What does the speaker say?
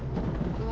うわ。